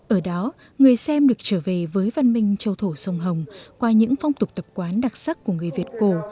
ở đó người xem được trở về với văn minh châu thổ sông hồng qua những phong tục tập quán đặc sắc của người việt cổ